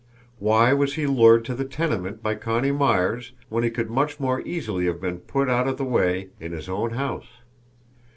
Why was he lured to the tenement by Connie Myers when he could much more easily have been put out of the way in his own house?